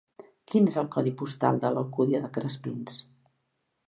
Quin és el codi postal de l'Alcúdia de Crespins?